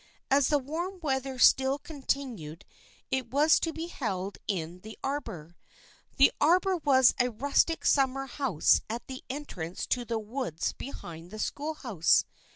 As the warm weather still continued it was to be held in the arbor. The arbor was a rustic summer house at the entrance to the woods behind the schoolhouse.